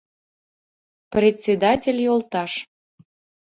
— Председатель йолташ...